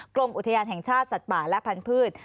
กรมอุทยานแห่งชาติสัตว์ป่าและพันธุ์